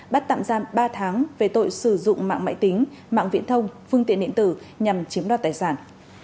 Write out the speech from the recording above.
bắt tạm giam ba tháng về tội sử dụng mạng máy tính mạng viễn thông phương tiện điện tử nhằm chiếm đoạt tài sản